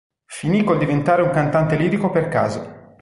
Finì col diventare un cantante lirico per caso.